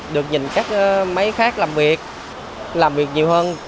được nhìn các máy khác làm việc làm việc nhiều hơn